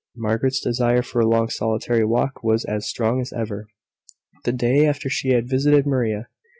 Margaret's desire for a long solitary walk was as strong as ever, the day after she had visited Maria.